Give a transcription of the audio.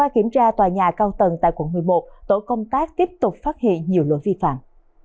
kiểm tra tòa nhà cao tầng tại quận một mươi một tổ công tác tiếp tục phát hiện nhiều lỗi vi phạm